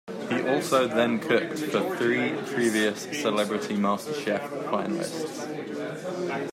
He also then cooked for three previous "Celebrity MasterChef" finalists.